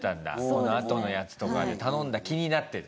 このあとのやつとかで頼んだ気になってた。